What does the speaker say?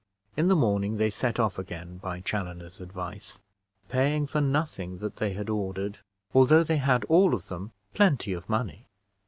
In the morning they set off again by Chaloner's advice, paying for nothing that they had ordered, although they had all of them plenty of money.